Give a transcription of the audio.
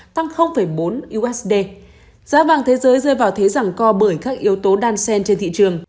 tăng bốn usd giá vàng thế giới rơi vào thế rằng co bởi các yếu tố đan sen trên thị trường